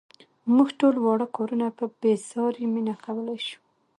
موږ ټول واړه کارونه په بې ساري مینه کولای شو.